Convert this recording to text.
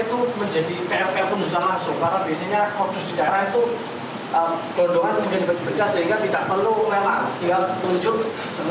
apakah proyek itu menjadi pl pl pun sudah langsung